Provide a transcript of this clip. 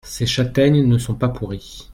Ces châtaignes ne sont pas pourries.